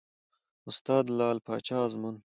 استاد : لعل پاچا ازمون